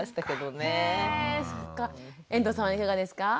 遠藤さんはいかがですか？